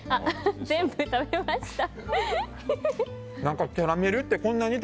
全部食べました。